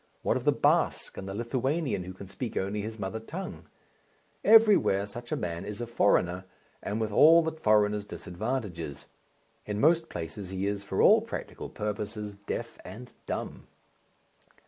What of the Basque and the Lithuanian who can speak only his mother tongue? Everywhere such a man is a foreigner and with all the foreigner's disadvantages. In most places he is for all practical purposes deaf and dumb.